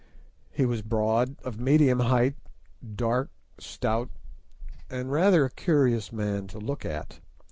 He was broad, of medium height, dark, stout, and rather a curious man to look at.